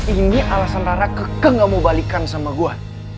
ini alasan rara kekeng gak mau balikan sama gue